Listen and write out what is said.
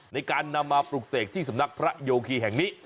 ในการนำมาปลูกเสกที่สำนักพระโยคีแห่งนี้